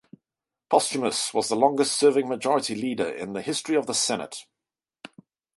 Posthumus was the longest serving majority leader in the history of the Senate.